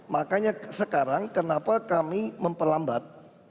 makanya sekarang kenapa kami memperlambat